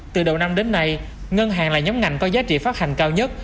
từ đầu năm đến nay ngân hàng là nhóm ngành có giá trị phát hành cao nhất